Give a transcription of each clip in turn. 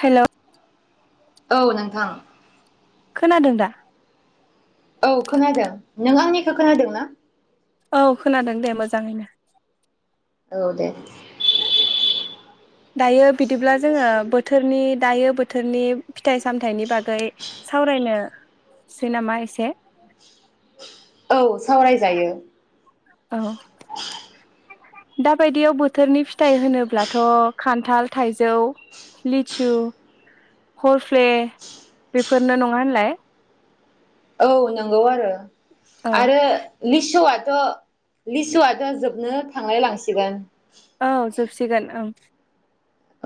हेल' औ नोंथां खोनादों दा औ खोनादों नों आंनिखो खोनादों ना औ खोनादों दे मोजाङैनो औ दे दायो बिदिब्ला जोङो बो थोरनि दायो बोथोरनि फिथाइ सामथाइनि बागै सावरायनोसै नामा एसे औ सावरायजायो औ दाबायदियाव बोथोरनि फिथाइ होनोब्लाथ' खान्थाल थाइजौ लिचु हरफ्ले बेफोरनो नङा होनलाय औ नोंगौ आरो औ आरो लिसुआ थ' लिसुआथ' जोबनो थांलाय लांसिगोन औ जोबसिगोन ओं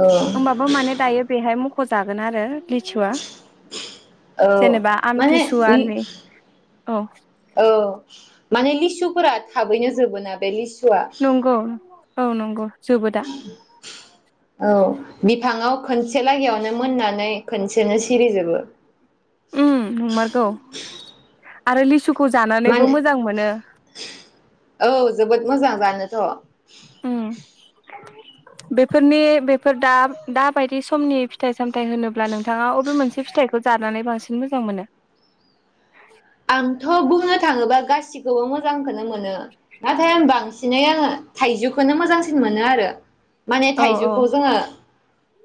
औ होमबाबो माने दायो बेहाय म फजागोन आरो लिचुआ औ माने इ औ औ माने लिसुफोरा थाबैनो जोबोना बे लिसु नंगौ औ नंगौ जोबो दा औ बिफाङाव खोनसे लागायावनो मोननानै खोनसेनो सिरिजोबो उम नोंमारगौ आरो लिसु खौ जानानैबो मानो मोजां मोनो औ जोबोद मोजां जानोथ' उम बेफोरनि बेफोर दा दाबायदि समनि फिथाइ सामथाइ होनोब्ला नोंथाङा अबे मोनसे फिथाइखौ जानानै बांसिन मोजां मोनो आंथ' बुंनो थाङोबा गासिखौबो मोजांखौनो मोनो नाथाय आं बांसिनै आङो थाइजौ खौनो मोजांसिन मोनो आरो माने औ औ थाइजौखौ जोङो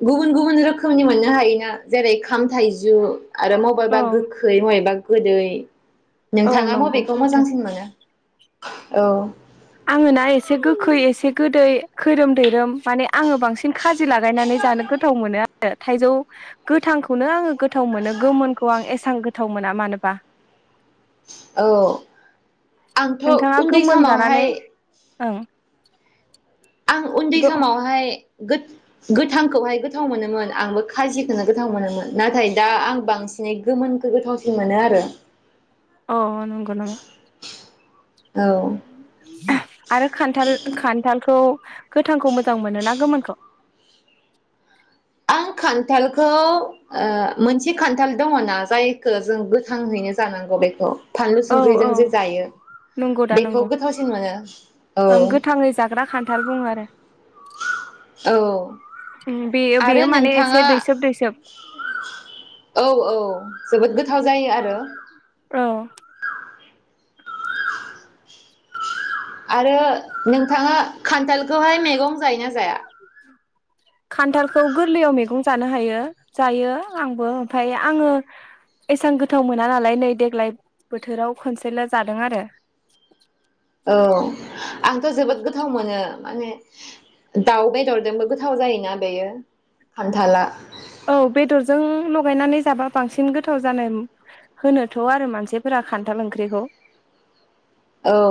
गुबुन गुबुन रोखोमनि मोननो हायोना जेरै खाम थाइजु आरो औ मबेबा गोख्रै मयेबा गोदै औ नोंथाङा नंगौ मबेखौ सैथो मोजांसिन मोनो औ आङो ना एसे गोखै एसे गोदै खैरोम दैैरोम माने आङो बांसिन खाजि लागायनानै जानो गोथाव मोनो आरो थाइजौ गोथांखौनो आङो गोथाव मोनो गोमोनखौ आं एसां गोथाव मोना मानोबा औ आंथ' नोंथाङा उन्दै गोमोन जानानै समावहाय [inaudible] आं उन्दै गो समावहाय गोथ गोथांखौहाय गोथाव मोनोमोन आंबो खाजिखौनो गोथाव मोनोमोन नाथाय दा आं बांसिनै गोमोनखौ गोथावसिन मोनो आरो अ नंगौ नामा औ ओ आरो खान्थाल खान्थालखौ गोथांखौ मोजां मोनोना गोमोनखौ आं खान्थालखौ ओ मोनसे खान्थाल दङना जायखौ जों गोथांहैनो जानांगौ बेखौ फानलु औ औ संख्रिजों जे जायो नंगौ दा बेखौ नंगौ गोथावसिन मोनो औ ओं गोथाङै जाग्रा खान्थाल बुङो आरो औ बेयो आरो बेयो माने नोंथाङा एसे दैसोब दैसोब औ औ जोबोद गोथाव जायो आरो औ आरो नोंथाङा खान्थालखौहाय मैगं जायो ना जाया खान्थालखौ गोरलैयाव मैगं जानो हायो जायो आंबो ओमफाय आङो एसेां गोथाव मोना नालाय नै देग्लाय बोथोराव खनसेल' जादों आरो औ आंथ' जोबोद गोथाव मोनो माने दाउ बेदरजोंबो गोथाव जायोना बेयो खान्थाला औ बेदरजों लगायनानै जाबा बांसिन गोथाव जानो होनोथ' आरो मानसिफोरा खान्थाल ओंख्रिखौ औ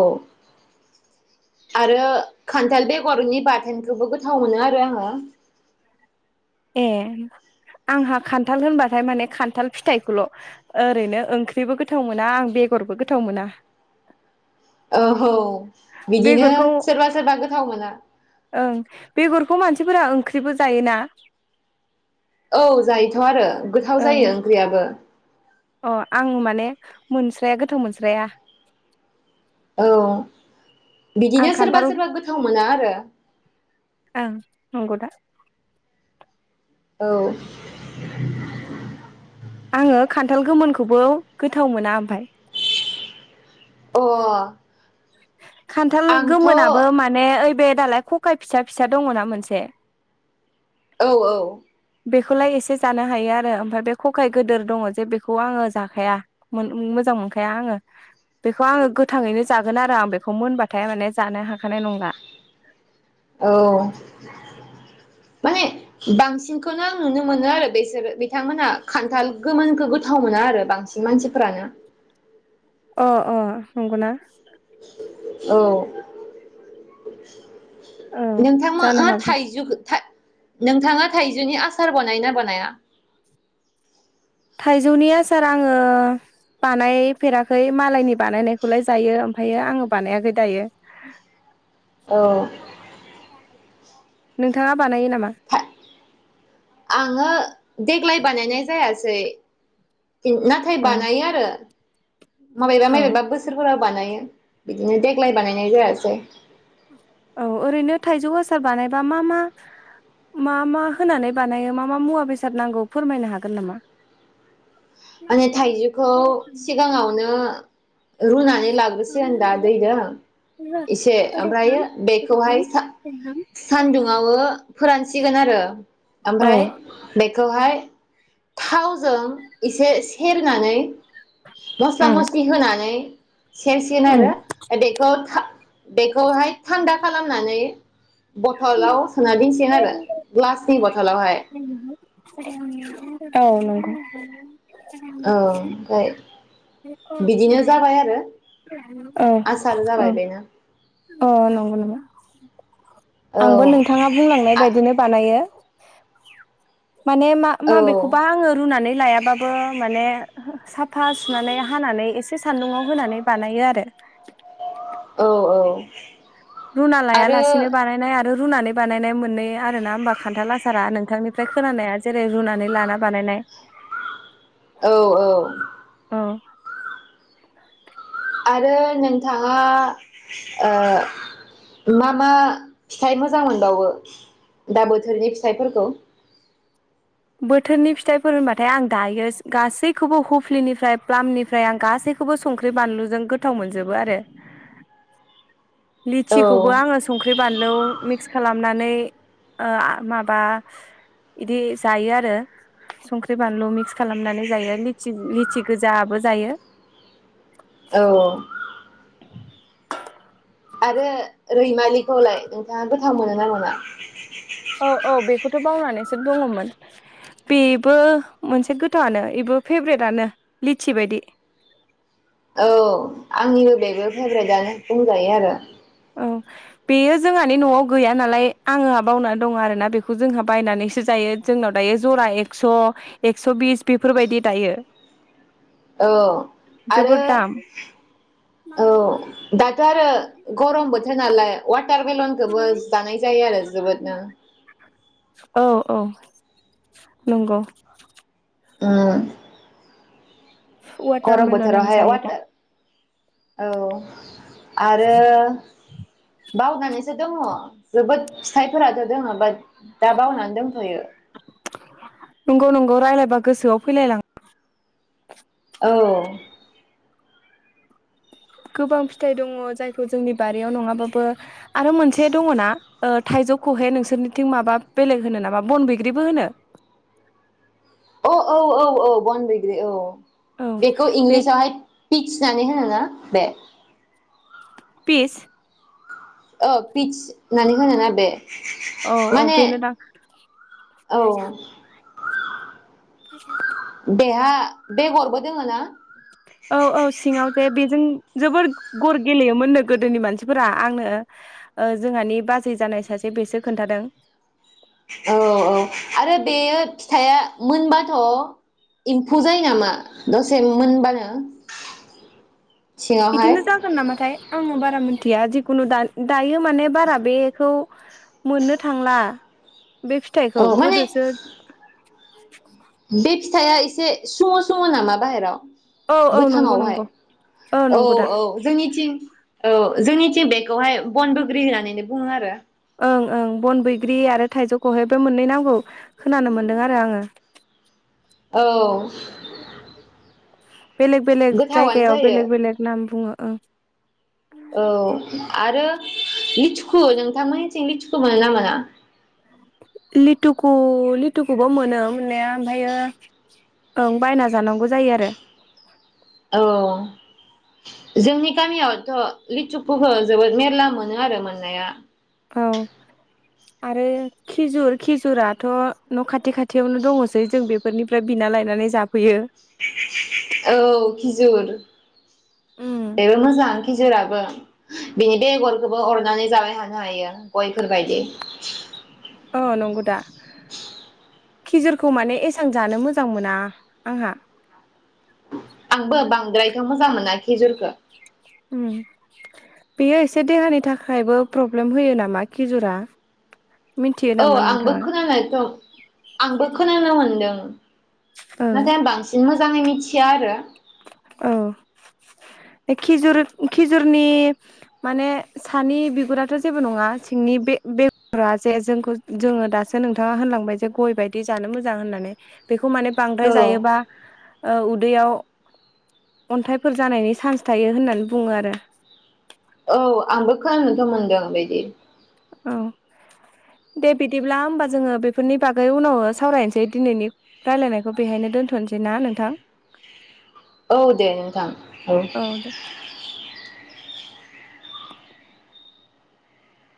आरो खान्थाल बेगरनि बाथोनखौबो गोथाव मोनो आरो आङो ए आंहा खान्थाल होनबाथाय माने खान्थाल फिथाइखौल' ओरैनो ओंख्रिबो गोथाव मोना आं बेगरबो गोथाव मोना औ हौ बिदिनो बेगरखौ सोरबा सोरबा गोथाव मोना बेखौ मानसिफोरा ओंख्रिबो जायोना औ जायोथ' आरो गोथाव ओं जायो ओंख्रियाबो अ आं माने मोनस्राया गोथाव मोनस्राया औ आं बिदिनो खान्थाल सोरबा सोरबा गोथाव मोना आरो ओं नंगौ दा औ आङो खान्थाल गोमोनखौबो गोथाव मोना ओमफाय अ खान्थाल आंथ' गोमोनाबो औ माने ओइ दालाय खकाय फिसा फिसा दङ ना मोनसे। औ औ। बेखौलाय एसे जानो हायो आरो ओमफाय बे खखाय गोदोर दङ जे बेखौ आङो जाखाया मो मोजां मोनखाया आङो बेखौ आङो गोथाङैनो जा [unintelligible] बेखौ [unintelligible] हाथाय माने जानो हाखानाय नंला। औ। माने बांसिनखौनो आं नुनो मोनो आरो बेसोर बिथांमोनहा खान्थाल गोमोनखौ गोथाव मोना आरो बांसिन मानसिफोरानो। अ अ नंगौना? औ। औ नोंथां मोन जानो ओ हागौ थाइजुखो थाइ नोंथाङा थाइजौनि आसार बानोना बनाया? थाइजौनि आसार आङो बानायफेराखै मालायनि बानायनायखौलाय जायो ओमफायो आङो बानायाखै दायो। [inaudible] नोंथाङा? बानायो नामा? था आङो देग्लाय बानायनाय जायासै। नाथाय अ बानायो आरो। माबायबा औ माबेबा बोसोरफोरा [unintelligible] बानायो देग्लाय बानायनाय जायासै। औ ओरैनो थाइजौ आसार बानायबा मा मा मा मा होनानै बानायो मा मा मुवा बेसाद नांगौ फोरमायनो हागोन नामा? माने थाइजौखौ औ सिगाङावनो रुनानै लाग्रोसिगोन दा नंगौ दैजों एसे ओमफ्रायो बेखौहाय सान्दुंआवो फोरानसिगोन आरो। ओमफ्राय बेखौहाय। थावजों एसे सेरनानै मस्ला मस्लि होनानै। सेरसिगोन आरो बेखौ था बेखौहाय थान्दा खालामनानै। बथ'लाव सोना दसै आरो ग्लासनि बथलावहाय। औ नंगौ। औ ओमफाय [unintelligible] अ आसार अ जाबाय बेनो अ नंगौ नामा [inaudible] औ आंबो नोंथाङा बुंलांनाय बायदिनो बानायो माने मा औ माबेखौबा आङो रुनानै लायाबाबो माने सा फा सुनानै हानानै एसे सान्दुंआव होनानै बानायो आरो औ औ रुना लाया आरो लासिनो बानायनाय रुनानै बानायनाय मोननै आरो ना होमबा खान्थाल आसारा नोंथांनिफ्राय खोनानाया जेरै रुनानै लाना बानायनाय औ औ औ आरो नोंथाङा ओ मा मा फिथाइ मोजां मोनबावो दा बोथोरनि फिथाइफोरखौ बोथोरनि फिथाइफोर होनबाथाय आं दायो गासैखौबो हुफलिनिफ्राय प्लामनिफ्राय आं गासैखौबो संख्रि बानलुजों गोथाव मोनजोबो आरो औ लिचिखौबो आङो संख्रि बानलु मिक्स खालामनानै ओ माबा इदि जायो आरो संख्रि बानलु मिक्स खालामनानै जायो लिचि लिचि गोजाबो जायो औ [inaudible] आरो रैमालिखौलाय नोंथाङा गोथाव मोनो ना मोना दङोमोन बेबो मोनसे गोथावआनो इबो फेभ्रेटानो लिचि बायदि औ आंनिबो बेबो फेभ्रेटानो बुंजायो आरो औ बेयो जोंहानि न'आव गैया नालाय आङो बावनानै दङ आरोना बेखौ जोंहा बायनानैसो जायो जोंनाव दायो जरा एक्स' एक्स' बिस बेफोरबायदि दायो औ आरो जोबोद दाम औ दाथ' आरो गरम बोथोर नालाय वाटार खौबो जानाय जायो [unintelligible] जोबोदनो औ औ नंगौ उम गरम वाटारमेलन आं बोथोरावहाय जायो दा अवाटार औ आरो बावनानैसो दङ जोबोद फिथाइफोराथ' दङ बाथ दा बावनानै दंथ'यो गौ रायलायबा गोसोआव फैलायला औ गोबां फिथाइ दङ जायखौ जोंनि बारियाव नङाबाबो आरो मोनसे दङना ओ थाइजौ खहेखौहाय नोंसोरनिथिं माबा बेलेग होनो नामा बन बैग्रिबो होनो औ औ औ औ बन बैग्रि औ औ बेखौ बे इंलिसावहाय पि फि नानै होनोना बे पिस औ पिटस होननानै होनोना बे औ औ माने बेनो दां औ [inaudible] बेहा बेगरबो दोङो ना औ औ सिङाव दे बेजों जोबोर गर गेलेयोमोननो गोदोनि मानसिफोरा आंनो ओ जोंहानि बाजै जानाय सासे बेसो खोन्थादों औ औ आरो बेयो फिथाइया मोनबाथ' एम्फौ जायो नामा दसे मोनबानो सिङावहाय बिदिनो जागोन नामाथाय आङो बारा मोन थिया जिखुनु दायो माने बारा बेखौ मोननो थांला बे औ फिथाइखौ माने गोदोसो [inaudible] बे फिथाइआ एसे सुमु सुमु नामा बाहेराव औ औ नंगौ गोथांआवहाय नंगौ औ नंगौ दा औ जोंनिथिं औ जोंनिथि बेखौहाय बन बग्रि होननानै बुङो आरो ओं ओं बन बैग्रि आरो थाइजौ खहेबो मोननै नांगौ खोनानो मोन्दों आरो आङो औ [inaudible] बेलेग बेलेग गोथावानो जायगायाव जायो बेलेग बेलेग नाम बुङो ओं औ आरो लिथुखु नोंथां लिथुखु मोनो ना मोना लिथुखौ लिथुखौबो मोनो मोननाया ओमफ्राययो ओं बायना जानांगौ जायो आरो औ जोंनि गामियावथ' लिथुखौहो जोबोद मेरला मोनो आरो मोननाया औ आरो खिजुर खिजुराथ' न' खाथि खाथियावनो दङसै जों बेफोरनिफ्राय बिना लायनानै जाफैयो औ खिजुर एबो मोजां खिजुराबो बिनि बेगरखौबो अरनानै जाबाय थानो हायो गयफोर बायदि औ नंगौ दा खिजुरखौ माने एसबां जानो मोजां मोना आंहा आंबो बांद्रायथ' मोजां मोना खिजुरखो ओम बेयो एसे देहानि थाखायबो प्रब्लेम होयो नामा खिजुरा मिथियो औ नामा आंबो नोंथाङा खोनायखौ आंबो खोनानो मोनदों ओं ओं नाथाय बांसिन मोजां मोजाङै मिथिया आरो औ बे खिजुर खिजुरनि माने सानि बिगुराथ' जेबो नङा सिंनि बे बेगरा जे जोंखौ जोङो दासो नोंथाङा होनलांबाय जे गय बायदि जानो मोजां होननानै बेखौ खौ माने बांद्राय औ जायोबा ओ उदैयाव अन्थाइफोर जानायनि चान्स थायो होननानै बुङो आरो औ आंबो खोनानोथ' मोनदों बिदि औ दे बिदिब्ला होमबा जोङो बेफोरनि बागै उनाव सावरायनोसै दिनैनि रायलायनायखौ बेहायनो दोन्थ'नोसै ना नोंथां औ दे नोंथां औ